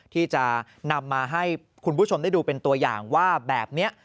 ที่จะนำมาให้คุณผู้ชมได้ดูเป็นตัวอย่างว่าแบบนี้